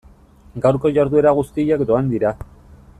Gaurko jarduera guztiak doan dira.